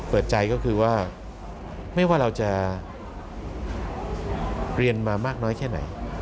เปิดใจก็คือว่าไม่ว่าเราจะเรียนมามากน้อยแค่ไหน